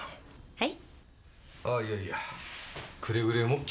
はい。